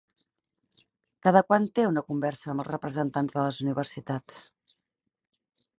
Cada quant té una conversa amb els representants de les universitats?